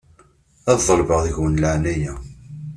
Ad ḍelbeɣ deg-wen leεnaya.